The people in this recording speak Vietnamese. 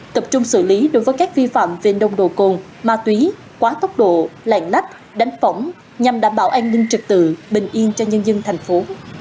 tập trung xử lý đối với các vi phạm về nông đồ cồn ma túy quá tốc độ lạng lách đánh phỏng nhằm đảm bảo an ninh trực tự bình yên cho nhân dân thành phố